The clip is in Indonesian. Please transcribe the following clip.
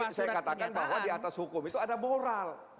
cuma saya katakan bahwa di atas hukum itu ada moral